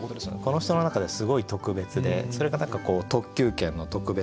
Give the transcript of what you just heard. この人の中ですごい特別でそれが何か「特急券」の特別感と相まって。